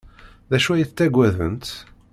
D acu ay ttaggadent?